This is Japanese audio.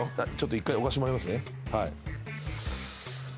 一回置かしてもらいますね。